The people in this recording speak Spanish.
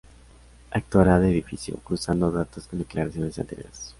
Actuará de oficio, cruzando datos con declaraciones anteriores.